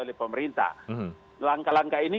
oleh pemerintah langkah langkah ini